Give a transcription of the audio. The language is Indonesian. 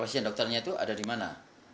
pertanyaannya itu ada di mana